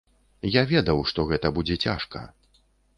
Я ведаў, што гэта будзе цяжка.